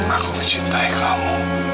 aku mencintai kamu